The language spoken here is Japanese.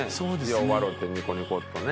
よう笑うてニコニコっとね。